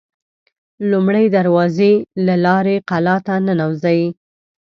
لومړۍ دروازې له لارې قلا ته ننوزي.